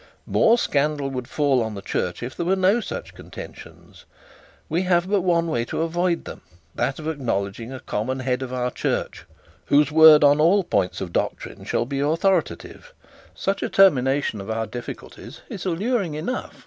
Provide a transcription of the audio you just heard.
'More scandal would fall on the church if there were no such contentions. We have but one way to avoid them that of acknowledging a common head of our church, whose word on all points of doctrine shall be authoritative. Such a termination of our difficulties is alluring enough.